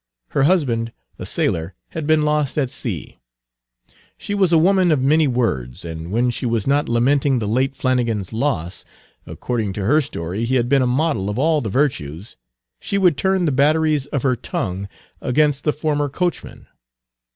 Her husband, a sailor, had been lost at sea. Page 240 She was a woman of many words, and when she was not lamenting the late Flannigan's loss, according to her story he had been a model of all the virtues, she would turn the batteries of her tongue against the former coachman.